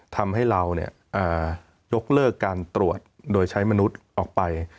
ทำให้เรายกเลิกการตรวจโดยใช้มนุษย์ออกไป